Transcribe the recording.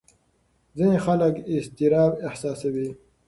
ځینې خلک اضطراب احساسوي.